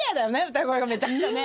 歌声がめちゃくちゃね。